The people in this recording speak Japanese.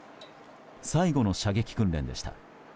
最後の射撃訓練でした。